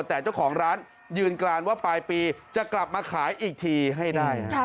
แต่เจ้าของร้านยืนกรานว่าปลายปีจะกลับมาขายอีกทีให้ได้